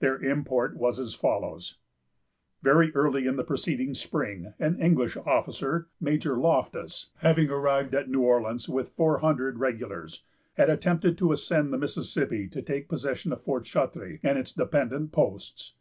Their import was as follows:—— Very early in the preceding spring, an English officer, Major Loftus, having arrived at New Orleans with four hundred regulars, had attempted to ascend the Mississippi, to take possession of Fort Chartres and its dependent posts.